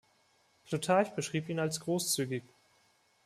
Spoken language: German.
Plutarch beschrieb ihn als großzügig.